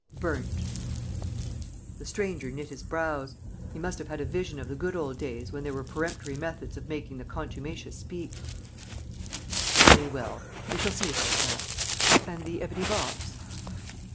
"Burnt." The stranger knit his brows. He must have had a vision of the good old days when there were peremptory methods of making the contumacious speak: "Very well. We shall see about that. And the ebony box?"